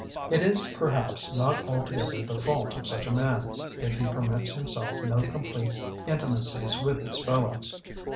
It is, perhaps, not altogether the fault of such a man if he permits him self no complete intimacies with his fellows.